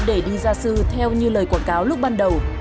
để đi gia sư theo như lời quảng cáo lúc ban đầu